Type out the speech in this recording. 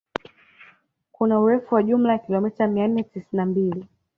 Kuna urefu wa jumla ya kilomita mia nne tisini na mbili